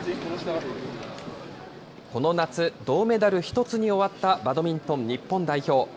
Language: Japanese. この夏、銅メダル１つに終わったバドミントン日本代表。